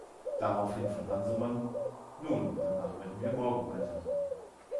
Daraufhin von Hansemann: "Nun, dann arbeiten wir morgen weiter.